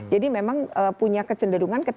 jadi memang punya kecenderungan